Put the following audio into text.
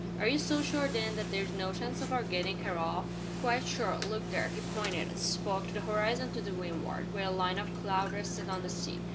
"Are you so sure, then, that there is no chance of our getting her off?" "Quite sure. Look there." He pointed, as he spoke, to the horizon to windward, where a line of cloud rested on the sea.